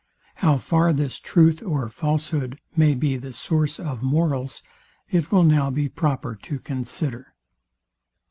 How far this truth or falsehood may be the source of morals, it will now be proper to consider.